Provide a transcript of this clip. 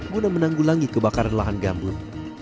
guna menanggulangi kebakaran lahan gambut